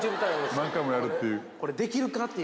何回もやるっていう。